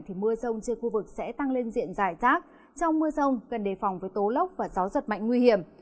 thì mưa rông trên khu vực sẽ tăng lên diện dài rác trong mưa rông cần đề phòng với tố lốc và gió giật mạnh nguy hiểm